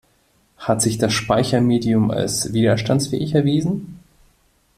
Hat sich das Speichermedium als widerstandsfähig erwiesen?